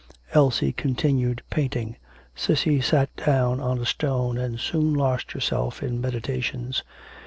Elsie continued painting, Cissy sat down on a stone and soon lost herself in meditations.